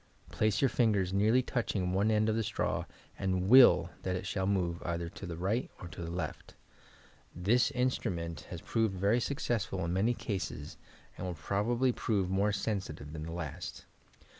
Place your fingers nearly touching one end of the straw and icill that it shall move either to the right or to the left. This instrument f PHYSICAL PHENOMENA 329 has proved very successful in many cases and will prob ably prove more sensitive than the last.